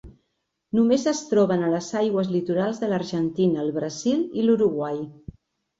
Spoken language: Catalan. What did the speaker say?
Només es troben a les aigües litorals de l'Argentina, el Brasil i l'Uruguai.